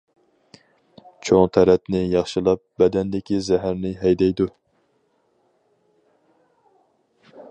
چوڭ تەرەتنى ياخشىلاپ، بەدەندىكى زەھەرنى ھەيدەيدۇ.